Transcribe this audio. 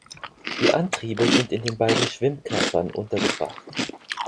Die Antriebe sind in den beiden Schwimmkörpern untergebracht.